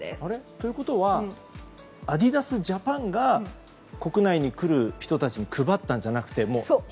ということはアディダスジャパンが国内に来る人たちに配ったんじゃなくて。